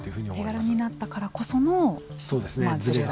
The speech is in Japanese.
手軽になったからこそのズレが。